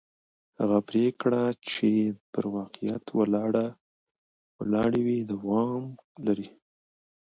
هغه پرېکړې چې پر واقعیت ولاړې وي دوام لري